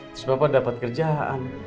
terus papa dapat kerjaan